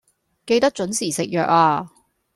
記得準時食藥呀